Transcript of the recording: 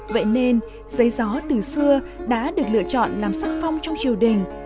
vậy nên giấy gió từ xưa đã được lựa chọn làm sắc phong trong triều đình